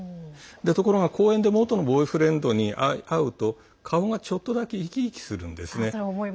ところが、公園で元のボーイフレンドに会うと顔がちょっとだけ生き生きするんですね。